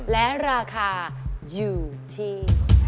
และราคาอยู่ที่